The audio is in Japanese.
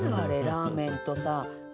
ラーメンとさ。